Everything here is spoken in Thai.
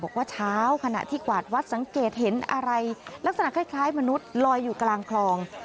บอกว่าเช้าขณะที่กวาดวัดสังเกตเห็นอะไรลักษณะคล้ายมนุษย์ลอยอยู่กลางคลอง